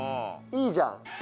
いいじゃん。